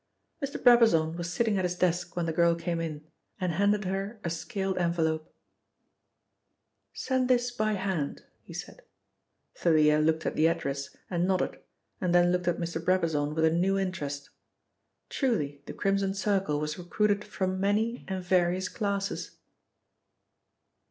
Mr. Brabazon was sitting at his desk when the girl came in, and handed her a scaled envelope, "Send this by hand," he said. Thalia looked at the address and nodded, and then looked at Mr. Brabazon with a new interest. Truly the Crimson Circle was recruited from many and various classes.